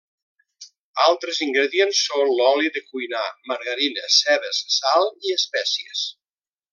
Altres ingredients són l'oli de cuinar, margarina, cebes, sal i espècies.